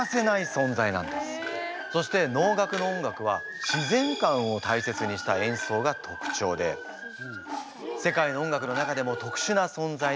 そして能楽の音楽は自然観を大切にした演奏が特徴で世界の音楽の中でも特殊なそんざいといわれております。